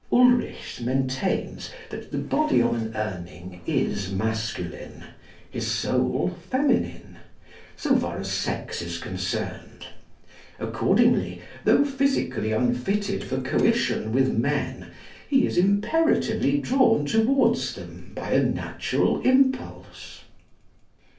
Ulrichs maintains that the body of an Urning is masculine, his soul feminine, so far as sex is concerned. Accordingly, though physically unfitted for coition with men, he is imperatively drawn towards them by a natural impulse.